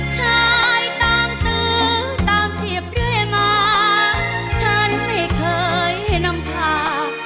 ใช้ตามตื้อตามเทียบเรื่อยมาฉันไม่เคยให้น้ำผ้า